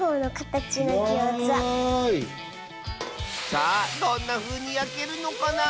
さあどんなふうにやけるのかな？